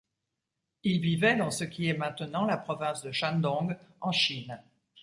Il vivait dans ce qui est maintenant la province du Shandong en Chine.